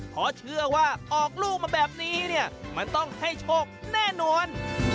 เพราะเชื่อว่าออกลูกมาแบบนี้เนี่ยมันต้องให้โชคแน่นอน